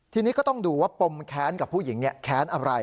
ทีนี้ก็ต้องดูว่าปมแค้นกับผู้หญิงแค้นอะไร